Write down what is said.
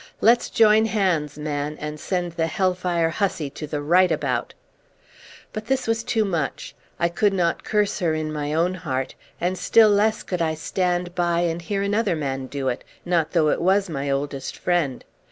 Let's join hands, man, and send the hellfire hussy to the right about!" But this was too much. I could not curse her in my own heart, and still less could I stand by and hear another man do it; not though it was my oldest friend.